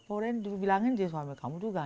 orangnya bilangin suami kamu ganti pakaian